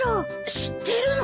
知ってるの？